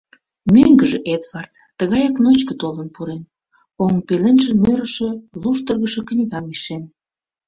Мӧҥгыжӧ Эдвард тыгаяк ночко толын пурен, оҥ пеленже нӧрышӧ, луштыргышо книгам ишен.